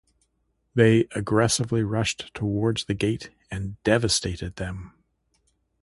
They aggressively rushed towards the gate and devastated them.